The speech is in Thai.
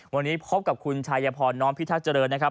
วันนี้พบกับคุณชายพรน้อมพิทักษ์เจริญนะครับ